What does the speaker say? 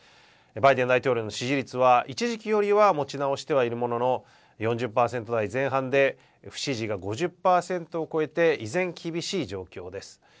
バイデン大統領の支持率は一時期よりは持ち直してはいるものの４０％台前半で不支持が５０％を超えて依然、厳しい状況です。